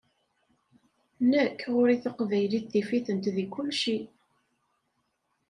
Nekk ɣur-i Taqbaylit tif-itent di kulci.